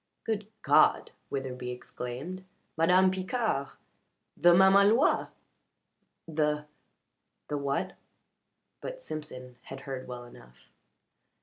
"Good God!" Witherbee exclaimed. "Madame Picard! The mamaloi!" "The the what?" But Simpson had heard well enough.